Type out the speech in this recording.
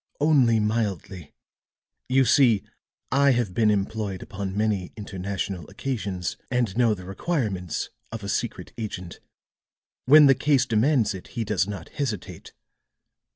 "Only mildly. You see, I have been employed upon many international occasions, and know the requirements of a secret agent. When the case demands it, he does not hesitate.